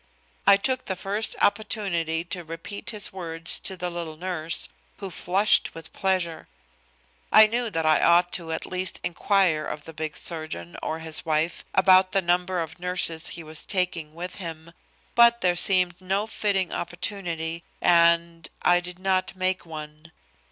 I took the first opportunity to repeat his words to the little nurse, who flushed with pleasure. I knew that I ought to at least inquire of the big surgeon or his wife about the number of nurses he was taking with him, but there seemed no fitting opportunity, and I did not make one.